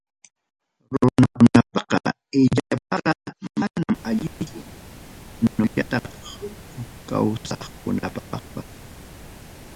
Runakunapaqa illapaqa manam allinchu, chaynallataq huk kawsaqkunapaqpas.